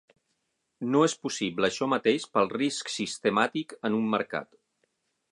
No és possible això mateix pel risc sistemàtic en un mercat.